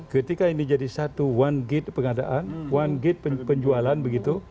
ketika ini jadi satu one gate pengadaan one gate penjualan begitu